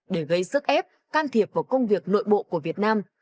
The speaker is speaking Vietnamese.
để gây sức ép can thiệp vào công việc nội bộ của việt nam